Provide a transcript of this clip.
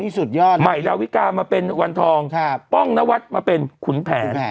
สุดยอดใหม่ดาวิกามาเป็นวันทองป้องนวัดมาเป็นขุนแผน